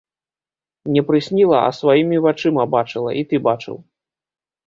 Не прысніла, а сваімі вачыма бачыла, і ты бачыў.